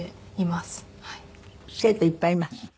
生徒いっぱいいます？